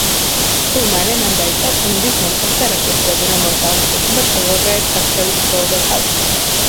სულ მალე, მან დაიწყო კნუდის მომხრეთა რეპრესიები, რომელთა უმეტესობაც საზღვარგარეთ გაქცევით შველოდა თავს.